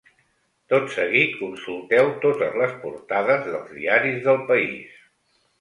Tot seguit consulteu totes les portades dels diaris del país.